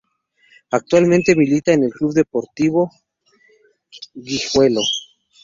Actualmente milita en el Club Deportivo Guijuelo.